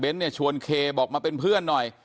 เนี่ยชวนเคบอกมาเป็นเพื่อนหน่อย